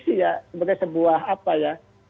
sih ya sebagai sebuah apa ya